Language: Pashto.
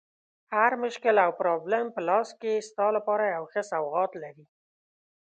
هر مشکل او پرابلم په لاس کې ستا لپاره یو ښه سوغات لري.